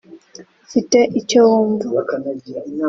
ufite icyo wumva